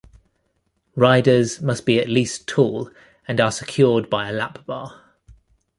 Riders must be at least tall and are secured by a lap bar.